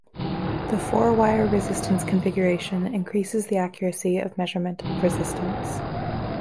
The four-wire resistance configuration increases the accuracy of measurement of resistance.